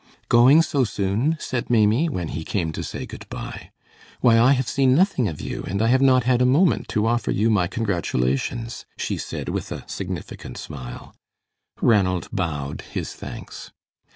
"Going so soon?" said Maimie, when he came to say good by. "Why I have seen nothing of you, and I have not had a moment to offer you my congratulations," she said, with a significant smile. Ranald bowed his thanks.